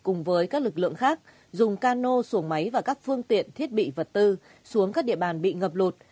lực lượng phối hợp cùng với các lực lượng khác dùng cano sổ máy và các phương tiện thiết bị vật tư xuống các địa bàn bị ngập lụt